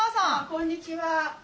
こんにちは。